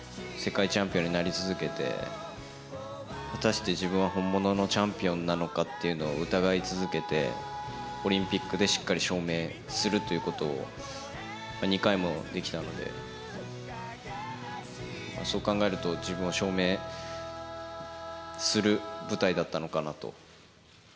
世界チャンピオンになり続けて、果たして自分は本物のチャンピオンなのかっていうのを疑い続けて、オリンピックでしっかり証明するということを、２回もできたので、そう考えると、自分を証明する舞台だったのかなと。